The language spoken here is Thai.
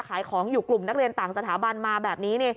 ขายของอยู่กลุ่มนักเรียนต่างสถาบันมาแบบนี้